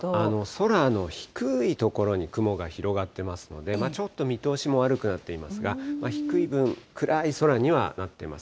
空の低い所に雲が広がってますので、ちょっと見通しも悪くなっていますが、低い分、暗い空にはなってます。